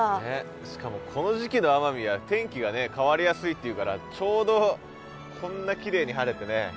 しかもこの時期の奄美は天気が変わりやすいっていうからちょうどこんなきれいに晴れてね。